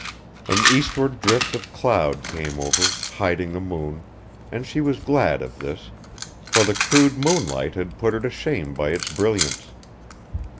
An eastward drift of cloud came over, hiding the moon, and she was glad of this, for the crude moonlight had put her to shame by its brilliance.